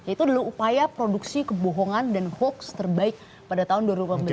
itu adalah upaya produksi kebohongan dan hoax terbaik pada tahun dua ribu delapan belas